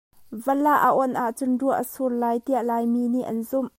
Valah a awnh ah cun ruah a sur lai tiah Laimi nih an zumh.